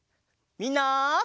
みんな！